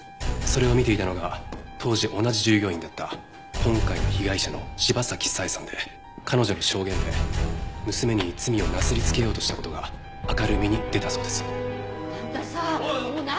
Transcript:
それを見ていたのが当時同じ従業員だった今回の被害者の柴崎佐江さんで彼女の証言で娘に罪をなすりつけようとした事が明るみに出たそうです。